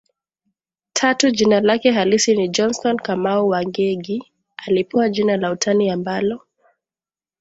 tatu jina lake halisi ni Johnstone Kamau wa Ngengi Alipewa jina la utani ambalo